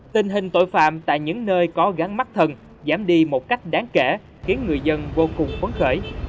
tình hình tội phạm tại những nơi có gắn mắt thần giảm đi một cách đáng kể khiến người dân vô cùng phấn khởi